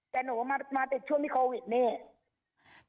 แต่หนูมาติดช่วงที่โควิดนี่